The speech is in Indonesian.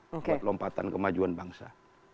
buat lompatan kemajuan bangsa